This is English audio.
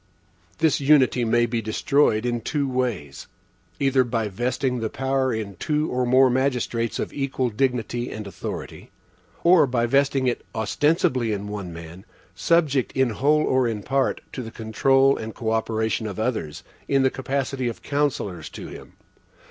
This unity may be destroyed in two ways: either by vesting the power in two or more magistrates of equal dignity and authority; or by vesting it ostensibly in one man, subject, in whole or in part, to the control and co operation of others, in the capacity of counsellors to him.